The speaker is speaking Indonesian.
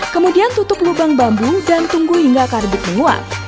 kemudian tutup lubang bambu dan tunggu hingga karbit menguap